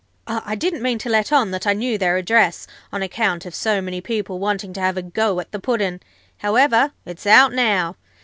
I didn't mean to let on that I knew their address, on account of so many people wanting to have a go at the Puddin'. However, it's out now.